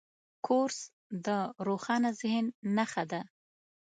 کورس د روښانه ذهن نښه ده.